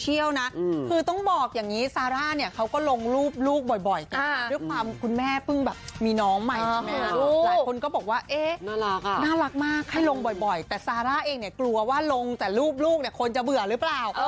คือต้องบอกอย่างนี้ซาร่าเนี่ยเขาก็ลงรูปลูกบ่อยแต่ด้วยความคุณแม่เพิ่งแบบมีน้องใหม่ใช่ไหมหลายคนก็บอกว่าเอ๊ะน่ารักมากให้ลงบ่อยแต่ซาร่าเองเนี่ยกลัวว่าลงแต่รูปลูกเนี่ยคนจะเบื่อหรือเปล่า